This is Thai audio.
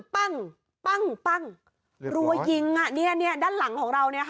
ปั้งปั้งปั้งเรียบร้อยยิงอ่ะเนี้ยเนี้ยด้านหลังของเราเนี้ยค่ะ